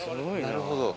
なるほど。